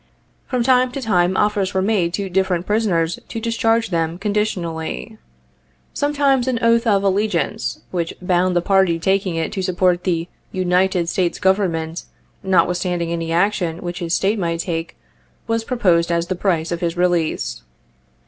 From time to time, offers were made to different prisoners to discharge them conditionally. Sometimes an oath of allegiance, which bound the party taking it to support the "United States Government," notwithstanding any action which his State might take, was proposed as the price of his release.